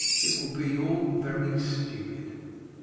It will be all very stupid."